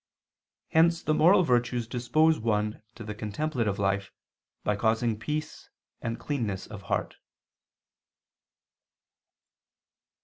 Hence the moral virtues dispose one to the contemplative life by causing peace and cleanness of heart.